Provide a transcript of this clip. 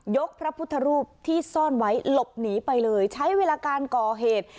พระพุทธรูปที่ซ่อนไว้หลบหนีไปเลยใช้เวลาการก่อเหตุ